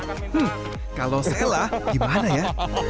hmm kalau sela gimana ya